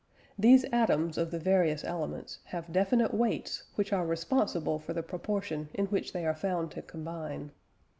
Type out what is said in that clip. These "atoms" of the various elements have definite weights which are responsible for the proportion in which they are found to combine.